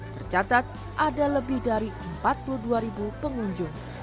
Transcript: tercatat ada lebih dari empat puluh dua pengunjung